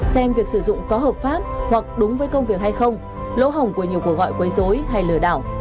xem việc sử dụng có hợp pháp hoặc đúng với công việc hay không lỗ hồng của nhiều cuộc gọi quấy dối hay lừa đảo